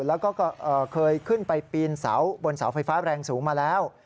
แล้วก็เคยขึ้นไปปีนเสาบนเสาไฟฟ้าแรงสูงมาแล้ว